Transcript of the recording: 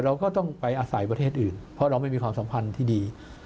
เราก็ต้องไปอาศัยประเทศอื่นเพราะเราไม่มีความสัมพันธ์ที่ดี